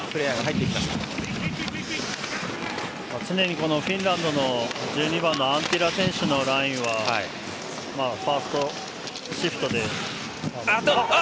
常にフィンランドの１２番のアンティラ選手のラインはファーストシフトで。